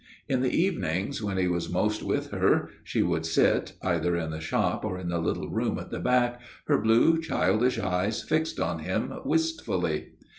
In the evenings, when he was most with her, she would sit, either in the shop or in the little room at the back, her blue childish eyes fixed on him wistfully.